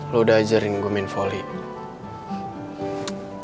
lu udah ajarin gue main volley